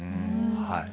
はい。